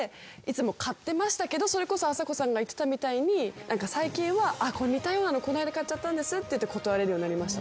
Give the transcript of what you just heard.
それこそあさこさんが言ってたみたいに最近は似たようなのこないだ買っちゃったんですって言って断れるようになりました。